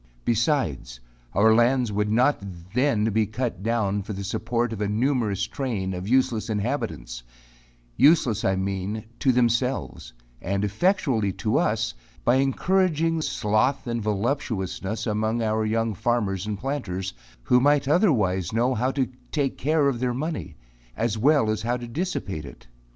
Besides, our lands would not be then cut down for the support of a numerous train of useless inhabitants useless, I mean, to themselves, and effectually to us, by encouraging sloth and voluptuousness among our young farmers and planters, who might otherwise know how to take care of their money, as well as how to dissipate it.